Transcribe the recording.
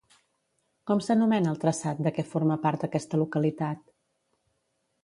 Com s'anomena el traçat de què forma part aquesta localitat?